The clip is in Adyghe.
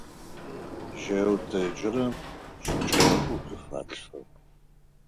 Жьэу тэджырэм шыкӀэхъу къыфалъфы.